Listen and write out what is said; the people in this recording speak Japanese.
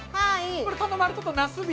これ頼まれとったなすび。